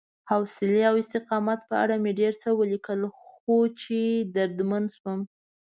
حوصلې او استقامت په اړه مې ډېر څه ولیکل، خو چې دردمن شوم